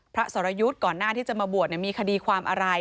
สรยุทธ์ก่อนหน้าที่จะมาบวชมีคดีความอะไร